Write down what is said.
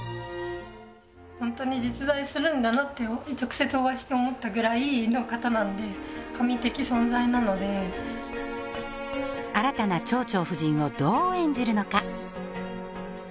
本当に実在するんだなって直接お会いして思ったぐらいの方なんで新たな「蝶々夫人」をどう演じるのか？